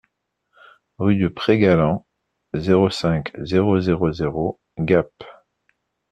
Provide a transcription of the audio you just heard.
Rue du Pré Galland, zéro cinq, zéro zéro zéro Gap